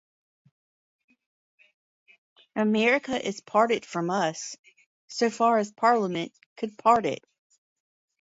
America is parted from us, so far as Parliament could part it.